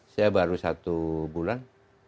saya baru satu bulan